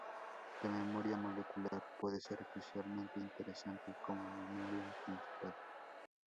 La memoria molecular puede ser especialmente interesante como memoria principal.